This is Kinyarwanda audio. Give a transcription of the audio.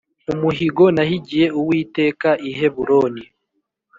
Umuhigo nahigiye uwiteka i heburoni